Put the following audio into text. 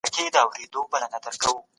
زه تختې ته ګورم.